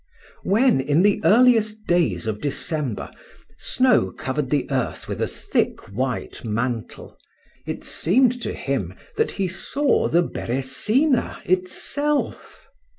When, in the earliest days of December, snow covered the earth with a thick white mantle, it seemed to him that he saw the Beresina itself.